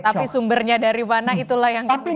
tapi sumbernya dari mana itulah yang diperlukan